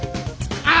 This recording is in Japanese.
あ！